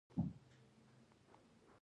زه وطن ته د خپل زړه وینه ورکوم